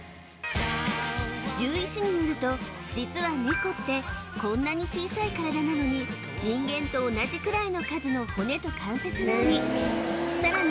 獣医師によると実はネコってこんなに小さい体なのに人間と同じくらいの数の骨と関節がありさらに